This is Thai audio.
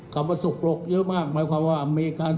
คำว่าสกปรกเยอะมากหมายความว่าอเมริกัน